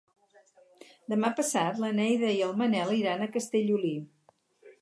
Demà passat na Neida i en Manel iran a Castellolí.